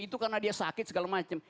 itu karena dia sakit segala macam